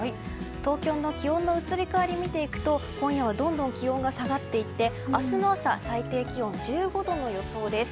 東京の気温の移り変わりを見ていくと今夜はどんどん気温が下がっていって明日の朝最低気温１５度の予想です。